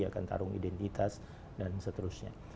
akan tarung identitas dan seterusnya